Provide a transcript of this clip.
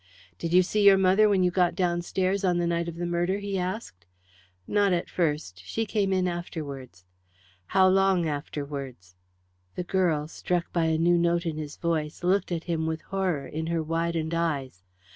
"Did you see your mother when you got downstairs on the night of the murder?" he asked. "Not at first. She came in afterwards." "How long afterwards?" The girl, struck by a new note in his voice, looked at him with horror in her widened eyes.